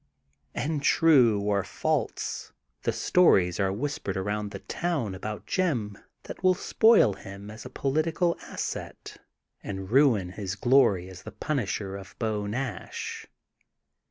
'' And true or false, tiie stories are whispered around the town about Jim that will spoil him as a politi cal asset and ruin his glory as the punisher of Beau Nash."